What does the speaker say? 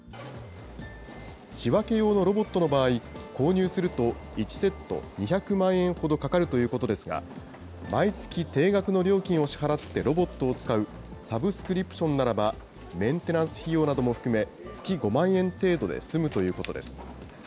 仕分け用のロボットの場合、購入すると１セット２００万円ほどかかるということですが、毎月定額の料金を支払ってロボットを使うサブスクリプションならば、メンテナンス費用なども含め、月５万円程度で済むということです。